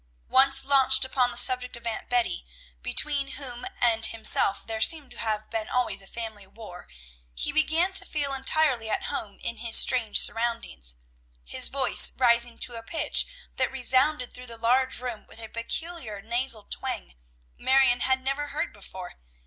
Once launched upon the subject of Aunt Betty, between whom and himself there seemed to have been always a family war, he began to feel entirely at home in his strange surroundings, his voice rising to a pitch that resounded through the large room with a peculiar nasal twang Marion had never heard before.